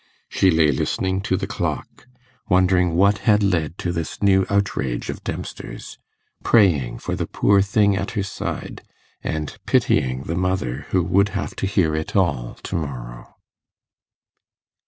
She lay listening to the clock, wondering what had led to this new outrage of Dempster's, praying for the poor thing at her side, and pitying the mother who would have to hear it all to morrow.